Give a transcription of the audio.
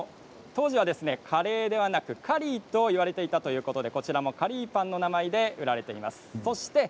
当時はカレーではなくカリーと呼ばれていたということでカリーパンの名前で売られています。